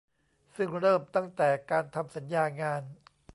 ซึ่งเริ่มตั้งแต่การทำสัญญางาน